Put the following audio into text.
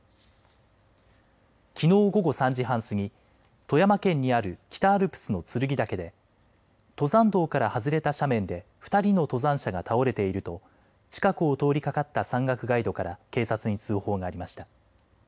きのう午後３時半過ぎ富山県にある北アルプスの剱岳で登山道から外れた斜面で２人の登山者が倒れていると近くを通りかかった山岳ガイドから警察に通報がありました。